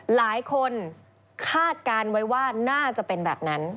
หลายคนคาดการณ์ไว้ว่าน่าจะเป็นแบบนั้น